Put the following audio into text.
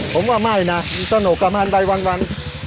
ผมว่าไม่นะสนุกกับมันไปวัน